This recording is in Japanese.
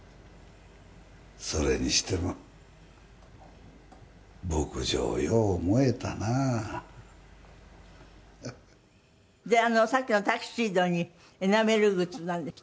「それにしても牧場よう燃えたな」でさっきのタキシードにエナメル靴なんですってね。